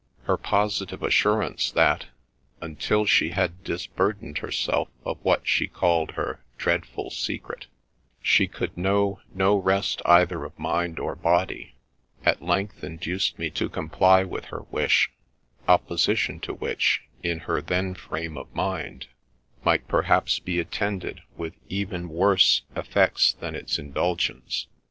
Her positive assurance that, until she had disburdened herself of what she called her " dreadful secret," she could know no rest either of mind or body, at length induced me to comply with her wish, opposition to which, in her then fr&me of mind, might perhaps be attended with even worse 118 SINGULAR PASSAGE IN THE LIFE OF effects than its indulgence.